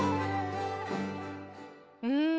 うん。